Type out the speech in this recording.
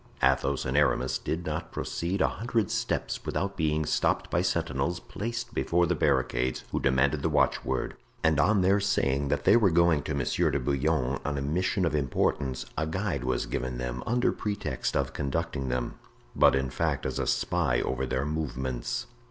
Athos and Aramis did not proceed a hundred steps without being stopped by sentinels placed before the barricades, who demanded the watchword; and on their saying that they were going to Monsieur de Bouillon on a mission of importance a guide was given them under pretext of conducting them, but in fact as a spy over their movements.